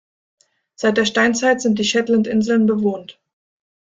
Seit der Steinzeit sind die Shetlandinseln bewohnt.